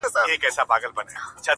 د نورو نیمګړتیاوو تر څنګ